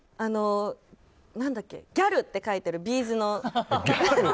ギャルって書いてるビーズの。